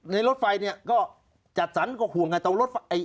ในรถไฟเนี่ยก็จัดสรรควบคุมกับตรงรถไฟ